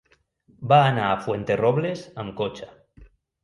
Va anar a Fuenterrobles amb cotxe.